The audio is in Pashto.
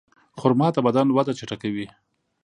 خرما د بدن وده چټکوي.